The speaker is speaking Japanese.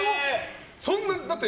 そんな、だって。